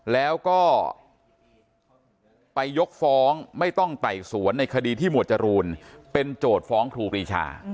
แล้วก็ไปยกฟ้องไม่ต้องไต่สวนในคดีที่หมวดจรูนเป็นโจทย์ฟ้องครูปรีชา